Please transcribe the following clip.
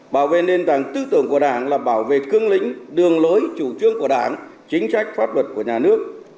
bảo vệ nền tảng tư tưởng của đảng là bảo vệ cương lĩnh đường lối chủ trương của đảng chính sách pháp luật của nhà nước